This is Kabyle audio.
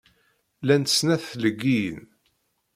Llant snat tleggiyin.